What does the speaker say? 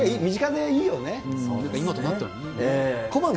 今となってはね。